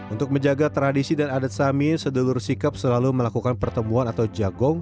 untuk menjaga tradisi dan adat samin sedulur sedulur sikap selalu melakukan pertemuan atau jagong